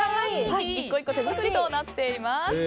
１個１個手作りとなっています。